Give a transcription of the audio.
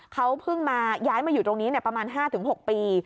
เขาเพิ่งมาย้ายมาอยู่ตรงนี้ประมาณ๕๖ปี